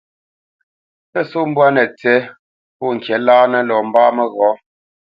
Pə́ só mbwâ nə̂ tsí pô ŋkǐ láánə lɔ mbá məghɔ̌.